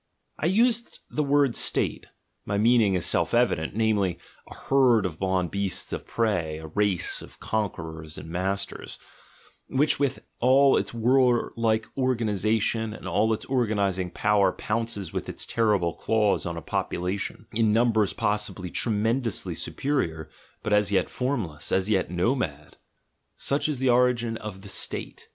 I used the word "State"; my meaning is self evident, namely, a herd of blonde beasts of prey, a race of conquerors and masters, which with all its war like organisation and all its organising power pounces with its terrible claws en a population, in numbers pos sibly tremendously superior, but as yet formless, as yet nomad. Such is the origin of the "State."